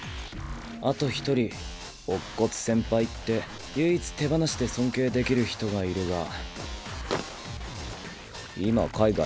あと一人乙骨先輩って唯一手放しで尊敬できる人がいるが今海外。